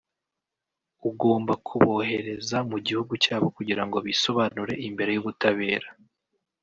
ugomba kubohereza mu gihugu cyabo kugira ngo bisobanure imbere y’ubutabera